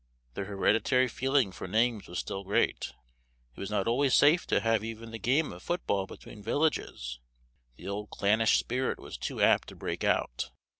Their hereditary feeling for names was still great. It was not always safe to have even the game of foot ball between villages, the old clannish spirit was too apt to break out.